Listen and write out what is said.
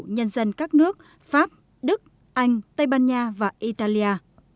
nhân dân các nước pháp đức anh tây ban nha và italia